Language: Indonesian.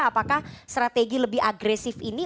apakah strategi lebih agresif ini